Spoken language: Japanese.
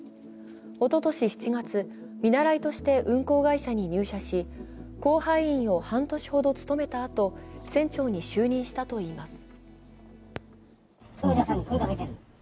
おととし７月、見習いとして運航会社に入社し、甲板員を半年ほど務めたあと船長に就任したといいます。